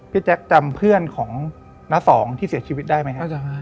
แจ๊คจำเพื่อนของน้าสองที่เสียชีวิตได้ไหมครับ